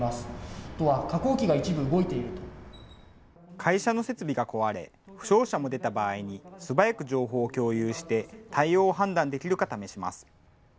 会社の設備が壊れ、負傷者も出た場合に素早く情報を共有して対応を判断できるか試します。